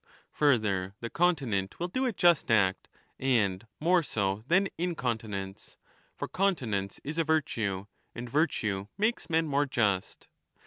Further, the continent will do a just act, fand more so than incontinencef ; for continence is a virtue, and virtue makes men more just.